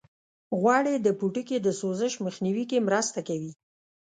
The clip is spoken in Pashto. غوړې د پوټکي د سوزش مخنیوي کې مرسته کوي.